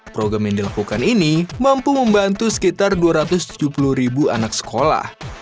program yang dilakukan ini mampu membantu sekitar dua ratus tujuh puluh ribu anak sekolah